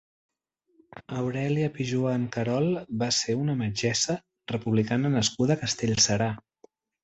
Aurèlia Pijoan Querol va ser una metgessa republicana nascuda a Castellserà.